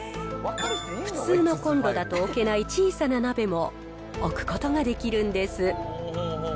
普通のコンロだと置けない小さな鍋も置くことができるんです。